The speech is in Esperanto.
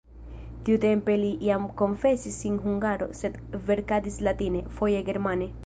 Tiutempe li jam konfesis sin hungaro, sed verkadis latine, foje germane.